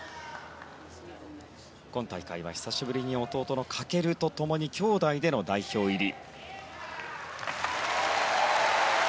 今大会は久しぶりに弟の翔とともに兄弟での代表入り。